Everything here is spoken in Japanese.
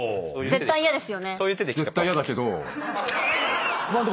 絶対嫌だけど。